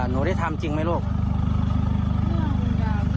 หนูได้ทำจริงไหมลูก